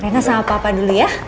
enak sama papa dulu ya